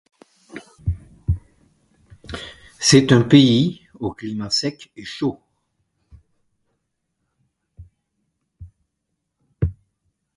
C'est un pays au climat sec et chaud.